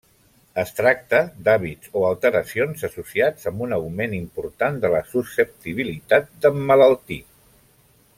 Es tracta d'hàbits o alteracions associats amb un augment important de la susceptibilitat d'emmalaltir.